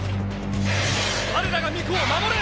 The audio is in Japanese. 我らが御子を守れ！